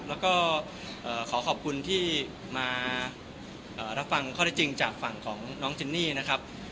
แล้วก็ขอขอบคุณที่มารับฟังข้อได้จริงจากฝั่งของน้องจินนี่นะครับ